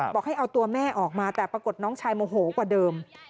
บอกให้เอาตัวแม่ออกมาแต่ปรากฏน้องชายโมโหกว่าเดิม